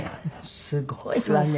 すごいわね。